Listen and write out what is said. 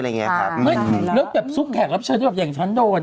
แล้วแบบซุกแขกรับเชิญที่แบบอย่างฉันโดน